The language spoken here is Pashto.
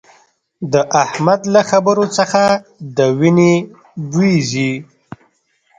د احمد له خبرو څخه د وينې بوي ځي